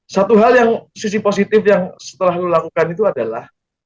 satu hal yang sisi positif yang setelah lu lakukan itu adalah